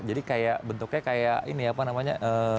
jadi bentuknya kayak ini apa namanya